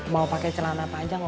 mau pakai celana panjang